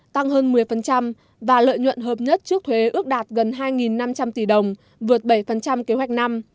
tăng hơn một mươi và lợi nhuận hợp nhất trước thuế ước đạt gần hai năm trăm linh tỷ đồng vượt bảy kế hoạch năm